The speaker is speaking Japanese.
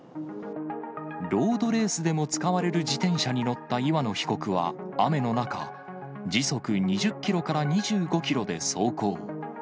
ロードレースでも使われる自転車に乗った岩野被告は、雨の中、時速２０キロから２５キロで走行。